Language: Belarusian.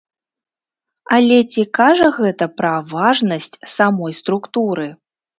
Але ці кажа гэта пра важнасць самой структуры?